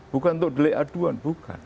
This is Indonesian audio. bukan untuk delik aduan bukan